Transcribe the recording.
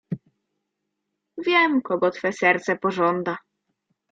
Wiem, kogo twe serce pożąda.